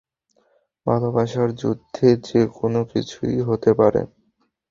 ভালোবাসার যুদ্ধে যে কোনও কিছুই হতেই পারে।